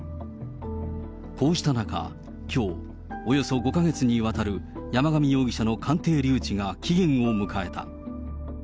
こうした中、きょう、およそ５か月にわたる山上容疑者の鑑定留置が期限を迎えた。